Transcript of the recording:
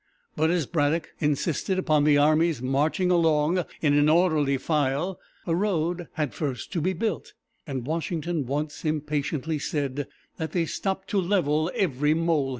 But as Braddock insisted upon the army's marching along in an orderly file, a road had first to be built, and Washington once impatiently said that they stopped "to level every molehill."